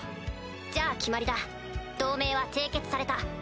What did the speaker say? じゃあ決まりだ同盟は締結された。